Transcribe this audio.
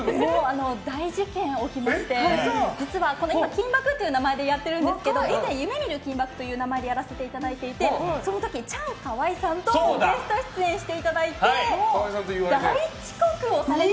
大事件が起きまして実は「金バク！」という名前でやってるんですけど以前「夢みる金バク！」という名前でやらせていただいていてその時チャンカワイさんとゲスト出演していただいて大遅刻をされて。